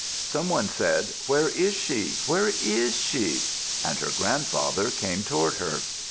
Some one said, "Where is she? Where is she?" and her grandfather came toward her.